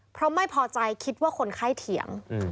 เพราะไม่พอใจคิดว่าคนไข้เถียง